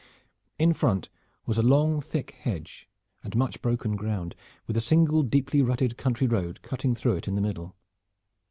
In front was a long thick hedge and much broken ground, with a single deeply rutted country road cutting through it in the middle.